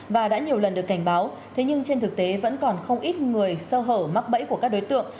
và đã nhiều lần được cảnh báo thế nhưng trên thực tế vẫn còn không ít người sơ hở mắc bẫy của các đối tượng